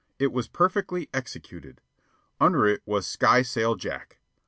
It was perfectly executed. Under it was "Skysail Jack."